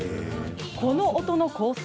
この音の構成